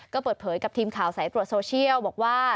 ก็เปิดเผยกับทีมข่าวสายตรวจโซเชียลบอกว่า